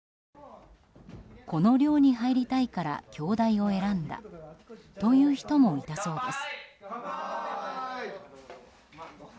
この寮に入りたいから京大を選んだという人もいたそうです。